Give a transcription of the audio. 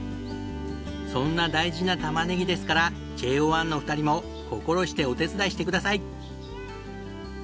そんな大事なたまねぎですからＪＯ１の２人も心してお手伝いしてください。